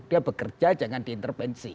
dia bekerja jangan diintervensi